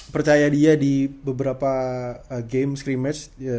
percaya dia di beberapa game scrimmage